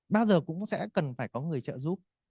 bao giờ cũng sẽ cần phải có người trợ giúp